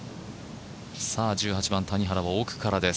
１８番、谷原は奥からです。